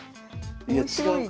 いや違うか。